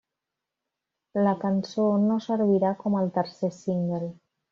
La cançó no servirà com el tercer single.